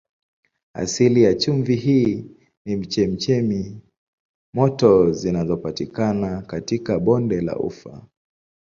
Asili ya chumvi hii ni chemchemi moto zinazopatikana katika bonde la Ufa.